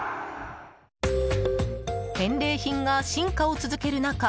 返礼品が進化を続ける中